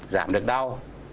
giảm được đau